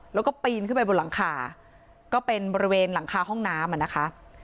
แล้วก็ปีนขึ้นไปบนหลังคาก็เป็นบริเวณหลังคาห้องน้ำอ่ะนะคะ